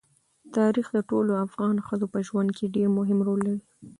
تاریخ د ټولو افغان ښځو په ژوند کې یو ډېر مهم رول لري.